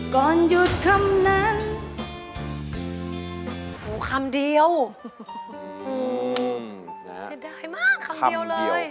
ก่อนหยุดคำนั้น